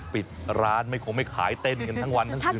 ปิดร้านไม่คงไม่ขายเต้นกันทั้งวันทั้งคืน